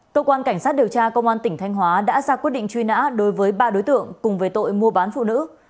cơ quan cảnh sát điều tra công an tỉnh thanh hóa đã ra quyết định truy nã đối với ba đối tượng cùng về tội mua bán phụ nữ